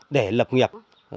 để lập nghiệp